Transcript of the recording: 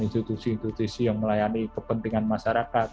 institusi institusi yang melayani kepentingan masyarakat